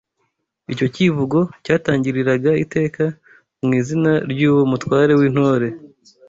Icyo kivugo cyatangiriraga iteka mu izina ry’uwo mutware w’intore